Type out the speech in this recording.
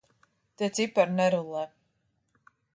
Tie cipari nerullē.